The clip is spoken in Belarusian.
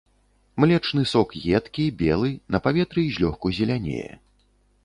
Млечны сок едкі, белы, на паветры злёгку зелянее.